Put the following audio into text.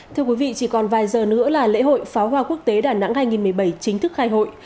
thưa quý vị chỉ còn vài giờ nữa là lễ hội pháo hoa quốc tế đà nẵng hai nghìn một mươi bảy chính thức khai hội